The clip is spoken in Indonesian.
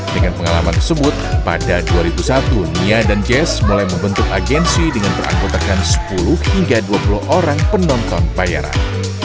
dengan pengalaman tersebut pada dua ribu satu nia dan jazz mulai membentuk agensi dengan beranggotakan sepuluh hingga dua puluh orang penonton bayaran